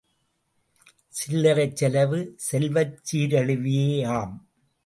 சில்லறைச்செலவு செல்வச் சீரழிவேயாம்.